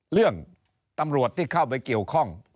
เรื่องตำรวจที่เข้าไปเกี่ยวข้อง